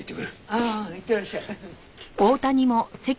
ああいってらっしゃい。